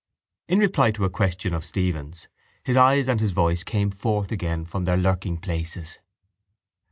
In reply to a question of Stephen's his eyes and his voice came forth again from their lurkingplaces.